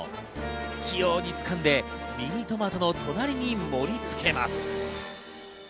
器用に掴んでミニトマトの隣に盛り付けます。